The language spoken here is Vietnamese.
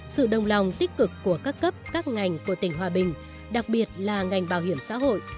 sự đồng lòng tích cực của các cấp các ngành của tỉnh hòa bình đặc biệt là ngành bảo hiểm xã hội